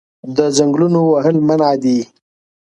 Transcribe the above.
د ځنګلونو وهل منع دي